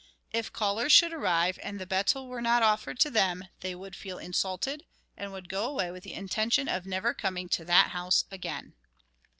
If callers should arrive and the betel were not offered to them, they would feel insulted and would go away with the intention of never coming to that house again.